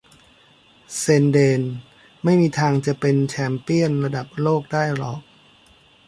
แซนเดลไม่มีทางจะเป็นแชมเปี้ยนระดับโลกได้หรอก